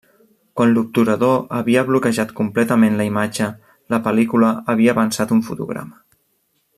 Quan l'obturador havia bloquejat completament la imatge, la pel·lícula havia avançat un fotograma.